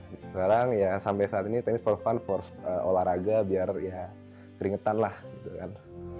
sekarang ya sampai saat ini tenis for fun force olahraga biar ya keringetan lah gitu kan